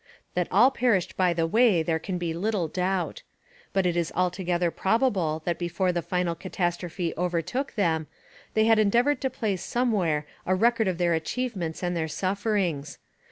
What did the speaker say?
That all perished by the way there can be little doubt. But it is altogether probable that before the final catastrophe overtook them they had endeavoured to place somewhere a record of their achievements and their sufferings.